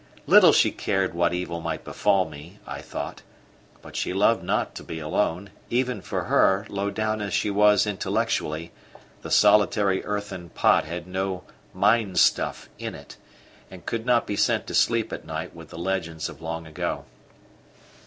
Little she cared what evil might befall me, I thought; but she loved not to be alone; even for her, low down as she was intellectually, the solitary earthen pot had no "mind stuff" in it, and could not be sent to sleep at night with the legends of long ago.